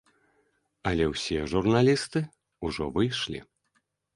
Але ўсе журналісты ўжо выйшлі.